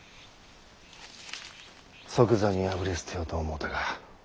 即座に破り捨てようと思うたが。